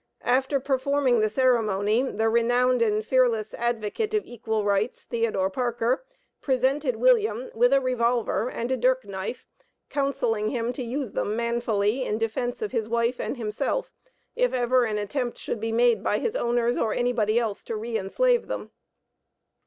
After performing the ceremony, the renowned and fearless advocate of equal rights (Theodore Parker), presented William with a revolver and a dirk knife, counselling him to use them manfully in defence of his wife and himself, if ever an attempt should be made by his owners or anybody else to re enslave them.